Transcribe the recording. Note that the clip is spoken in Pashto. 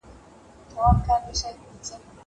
هغه څوک چي درسونه اوري پوهه زياتوي!!